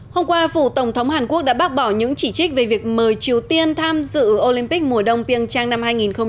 hôm qua phủ tổng thống hàn quốc đã bác bỏ những chỉ trích về việc mời triều tiên tham dự olympic mùa đông piêng trang năm hai nghìn hai mươi